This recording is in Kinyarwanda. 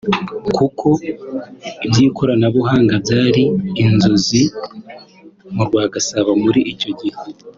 kuko iby’ikoranabuhanga byari inzozi mu rwa Gasabo muri icyo gihe